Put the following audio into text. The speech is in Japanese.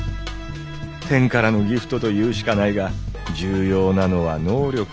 天からの「ギフト」と言うしかないが重要なのは「能力」じゃあない。